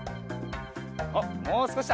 おっもうすこしだ。